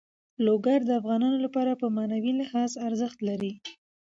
لوگر د افغانانو لپاره په معنوي لحاظ ارزښت لري.